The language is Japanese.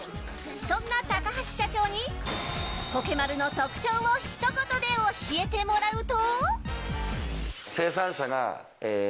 そんな高橋社長にポケマルの特徴を一言で教えてもらうと。